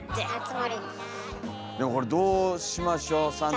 でもこれどうしましょうサンタ。